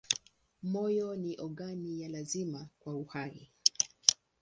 Moyo ni ogani ya lazima kwa uhai.